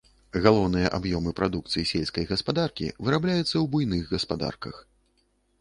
Галоўныя аб'ёмы прадукцыі сельскай гаспадаркі вырабляюцца ў буйных гаспадарках.